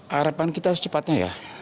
harapan kita secepatnya ya